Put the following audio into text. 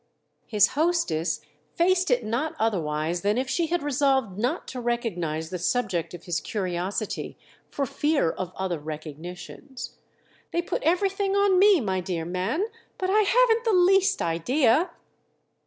His hostess faced it not otherwise than if she had resolved not to recognise the subject of his curiosity—for fear of other recognitions. "They put everything on me, my dear man—but I haven't the least idea."